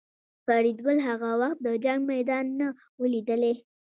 فریدګل هغه وخت د جنګ میدان نه و لیدلی